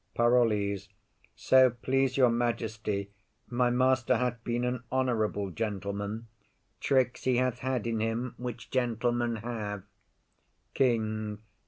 PAROLLES. So please your majesty, my master hath been an honourable gentleman. Tricks he hath had in him, which gentlemen have. KING.